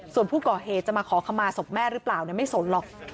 ส่วนผู้ก่อเหตุจะมาขอขมาศพแม่หรือเปล่าไม่สนหรอก